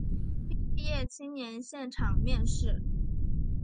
毕业青年现场面试